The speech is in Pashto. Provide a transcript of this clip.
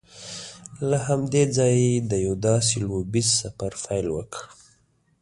له همدې ځایه یې د یوه داسې لوبیز سفر پیل وکړ